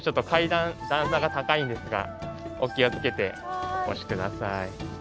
段差が高いんですがお気を付けてお越し下さい。